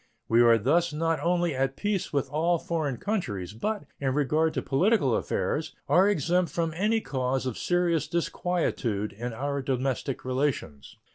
We are thus not only at peace with all foreign countries, but, in regard to political affairs, are exempt from any cause of serious disquietude in our domestic relations.